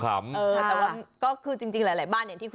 เป็นเรื่องของผลไม้มงคล